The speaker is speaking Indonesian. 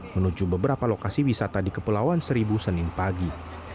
menuju beberapa lokasi wisata di kepulauan seribu senin pagi